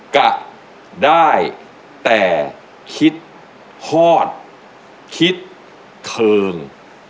กะได้แต่คิดพอดคิดเทิง